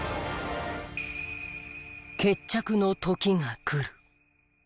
決着の時がくる。